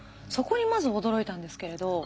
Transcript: そこにまず驚いたんですけれど。